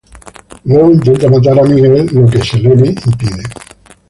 Luego intenta matar a Michael, lo que es impedido por Selene.